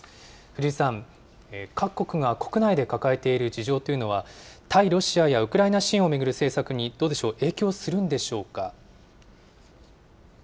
藤井さん、各国が国内で抱えている事情というのは、対ロシアやウクライナ支援を巡る政策にどうでしょう、影響するんでしょうか？